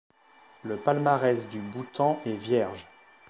Le palmarès du Bhoutan est vierge.